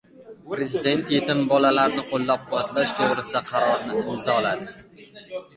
Prezident yetim bolalarni qo‘llab-quvvatlash to‘g‘risida qaror imzoladi